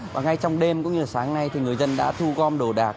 và ngay trong đêm cũng như sáng nay thì người dân đã thu gom đồ đạc